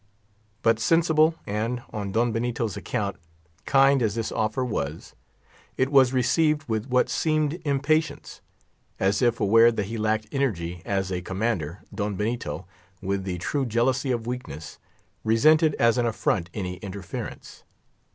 But sensible, and, on Don Benito's account, kind as this offer was, it was received with what seemed impatience; as if aware that he lacked energy as a commander, Don Benito, with the true jealousy of weakness, resented as an affront any interference.